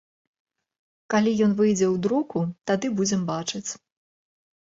Калі ён выйдзе ў друку, тады будзем бачыць.